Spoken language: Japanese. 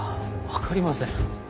分かりません。